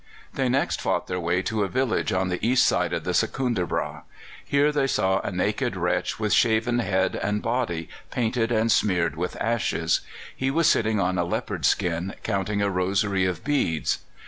They next fought their way to a village on the east side of the Secundrabâgh. Here they saw a naked wretch with shaven head and body painted and smeared with ashes. He was sitting on a leopard skin, counting a rosary of beads.